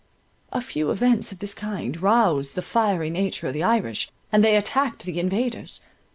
A few events of this kind roused the fiery nature of the Irish; and they attacked the invaders.